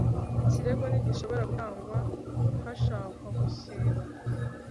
Ikirego ntigishobora gutangwa hashakwa gusiba